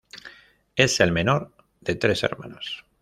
Es el menor de tres hermanos.